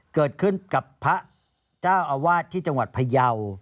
เกิดขึ้นพระอาวาดที่จังหวัดพยาว